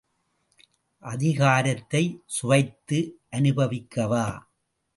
அதிகாரத்தைச் சுவைத்து அனுபவிக்கவா?